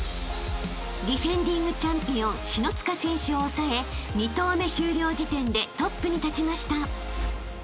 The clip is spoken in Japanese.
［ディフェンディングチャンピオン篠塚選手を抑え２投目終了時点でトップに立ちました］